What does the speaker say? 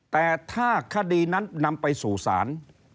แต่ถ้าคดีนั้นนำไปสู่ศาล